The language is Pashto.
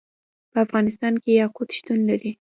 په افغانستان کې یاقوت شتون لري.